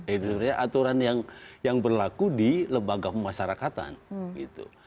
itu sebenarnya aturan yang berlaku di lembaga pemasyarakatan gitu